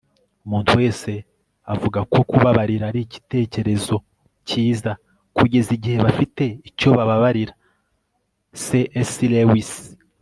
umuntu wese avuga ko kubabarira ari igitekerezo cyiza, kugeza igihe bafite icyo bababarira - c s lewis